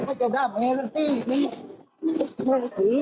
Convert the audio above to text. ไม่ได้ไหมกูเลยไม่ได้ไหมไม่ได้ไหมไม่ได้ไหม